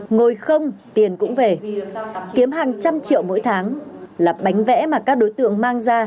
ngồi không tiền cũng về kiếm hàng trăm triệu mỗi tháng là bánh vẽ mà các đối tượng mang ra